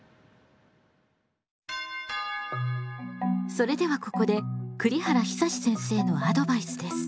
それではここで栗原久先生のアドバイスです。